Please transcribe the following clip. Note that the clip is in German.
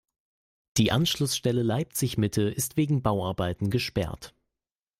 Die Anschlussstelle Leipzig-Mitte ist wegen Bauarbeiten gesperrt.